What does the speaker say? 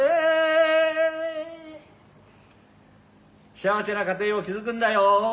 幸せな家庭を築くんだよ